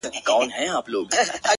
د نوم له سيـتاره دى لـوېـدلى،